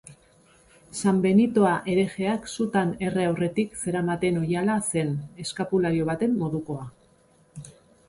Sanbenitoa herejeak sutan erre aurretik zeramaten oihala zen, eskapulario baten modukoa.